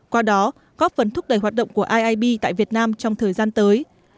qua đó góp phần thúc đẩy hoạt động của iib tại việt nam trong thời gian tới